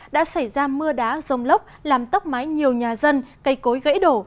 đã xảy ra mưa đá rông lốc làm tốc mái nhiều nhà dân cây cối gãy đổ